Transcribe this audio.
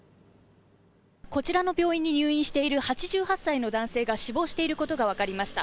こちらの病院に入院している、８８歳の男性が死亡していることが分かりました。